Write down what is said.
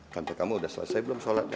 tante kamu udah selesai belum sholatnya